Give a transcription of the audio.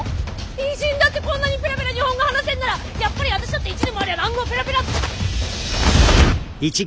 異人だってこんなにペラペラ日本語が話せるんならやっぱり私だって１年もあれば蘭語をペラペラっと！